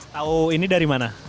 tahu ini dari mana